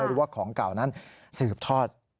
หรือว่าของเก่านั้นสืบทอด